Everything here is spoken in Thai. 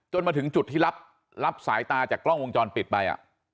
มาถึงจุดที่รับสายตาจากกล้องวงจรปิดไป